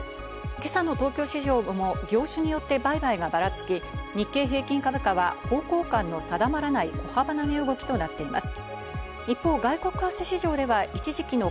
今朝の東京市場も業種によって売買がばらつき、日経平均株価は方向感の定まらない小幅な値動きとなっています。